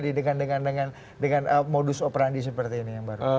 dengan modus operandi seperti ini